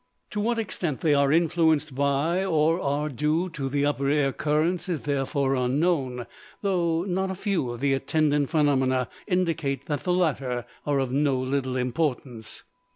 To what extent they are influenced by or are due to the upper air currents is therefore unknown, though not a few of the attendant phenomena indicate that the latter are of no little importance.